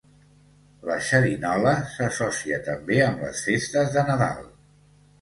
La xerinola s'associa també amb les festes de Nadal.